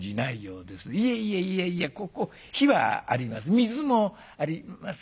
いやいやいやいやここ火はあります。